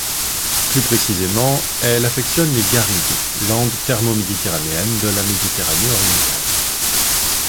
Plus précisément, elle affectionne les garrigues, landes thermo-méditerranéennes de la Méditerranée orientale.